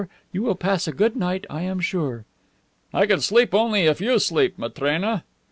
You will pass a good night, I am sure." "I can sleep only if you sleep, Matrena."